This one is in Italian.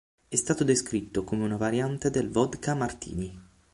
È stato descritto come una variante del Vodka Martini.